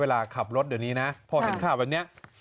เวลาขับรถเดี๋ยวนี้นะพอเห็นข่าวแบบนี้